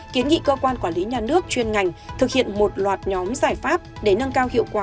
kiến nghị cơ quan quản lý nhà nước chuyên ngành thực hiện một loạt nhóm giải pháp để nâng cao hiệu quả